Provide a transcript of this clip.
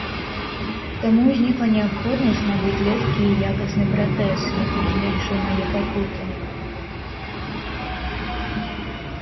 Таму ўзнікла неабходнасць набыць лёгкі і якасны пратэз, які б зменшыў мае пакуты.